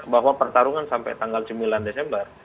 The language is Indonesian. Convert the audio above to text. bahwa pertarungan sampai tanggal sembilan desember